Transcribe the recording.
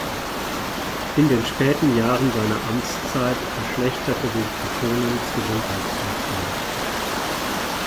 In den späten Jahren seiner Amtszeit verschlechterte sich Kekkonens Gesundheitszustand.